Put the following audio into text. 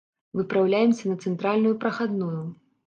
Выпраўляемся на цэнтральную прахадную.